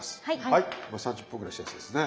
はいもう３０分ぐらいしたやつですね。